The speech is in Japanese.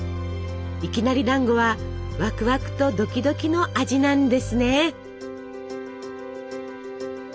いきなりだんごはワクワクとドキドキの味なんですね！